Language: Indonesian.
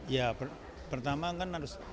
ya pertama kan harus